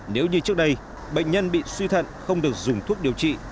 nếu như trước đây bệnh nhân bị suy thận không được dùng thuốc điều trị